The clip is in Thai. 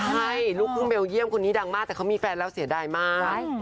ใช่ลูกครึ่งเบลเยี่ยมคนนี้ดังมากแต่เขามีแฟนแล้วเสียดายมาก